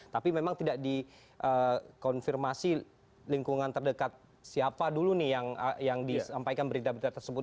tapi memang tidak dikonfirmasi lingkungan terdekat siapa dulu nih yang disampaikan berita berita tersebut